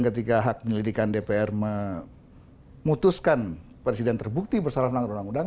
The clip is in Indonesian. ketika hak penyelidikan dpr memutuskan presiden terbukti bersalah melanggar undang undang